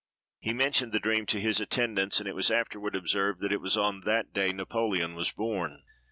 He mentioned the dream to his attendants, and it was afterward observed that it was on that day Napoleon was born.